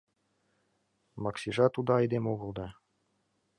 Максижат уда айдем огыл да...